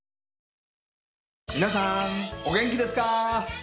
皆さんお元気ですか？